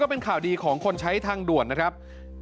โทษภาพชาวนี้ก็จะได้ราคาใหม่